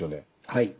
はい。